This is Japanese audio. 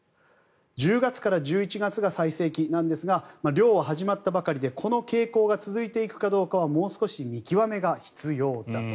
１０月から１１月が最盛期なんですが漁は始まったばかりでこの傾向が続いていくかどうかはもう少し見極めが必要だと。